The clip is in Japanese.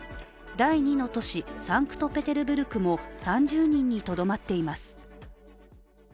第二の都市、サンクトペテルブルクも３０人にとどまっています。